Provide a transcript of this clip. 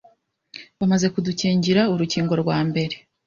Bamaze kudukingira urukingo rwa mbere,